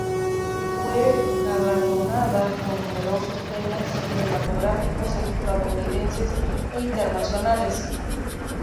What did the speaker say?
Fue galardonada con numerosos premios cinematográficos estadounidenses e internacionales.